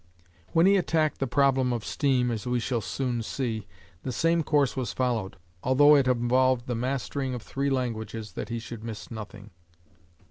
When he attacked the problem of steam, as we shall soon see, the same course was followed, although it involved the mastering of three languages, that he should miss nothing.